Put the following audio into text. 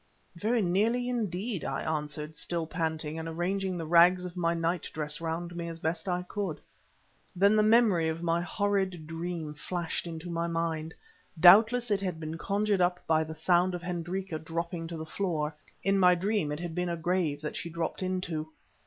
"Very nearly indeed," I answered, still panting, and arranging the rags of my night dress round me as best I might. Then the memory of my horrid dream flashed into my mind. Doubtless it had been conjured up by the sound of Hendrika dropping to the floor—in my dream it had been a grave that she dropped into.